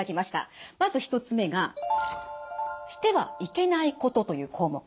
まず１つ目が「してはいけないこと」という項目。